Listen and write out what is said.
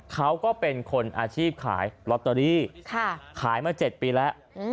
เขาก็เป็นคนอาชีพขายล็อตเตอรี่ค่ะขายมาเจ็ดปีแล้วอืม